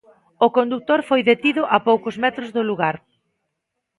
O condutor foi detido a poucos metros do lugar.